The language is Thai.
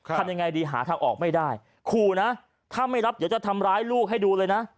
ทำยังไงดีหาทางออกไม่ได้ขู่นะถ้าไม่รับเดี๋ยวจะทำร้ายลูกให้ดูเลยนะ